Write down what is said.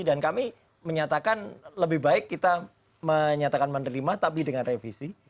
dan kami menyatakan lebih baik kita menyatakan menerima tapi dengan revisi